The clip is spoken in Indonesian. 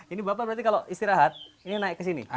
ini bapak berarti kalau istirahat ini naik ke sini